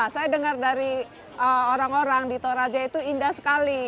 saya dengar dari orang orang di toraja itu indah sekali